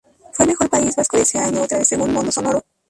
Fue el mejor país vasco de ese año, otra vez según Mondo Sonoro.